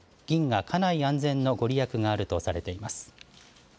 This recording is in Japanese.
銀が家内安全の御利益があるとされています。